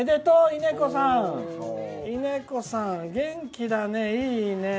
いねこさん、元気だね、いいね。